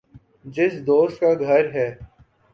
جس دوست کا گھر ہے